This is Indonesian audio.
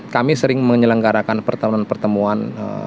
kami sering menyelenggarakan pertemuan pertemuan